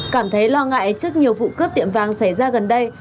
cảm thấy lo ngại trước nhiều vụ cướp tiệm vàng xảy ra gần đây